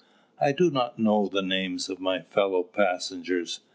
I do not know the names of my fellow passengers.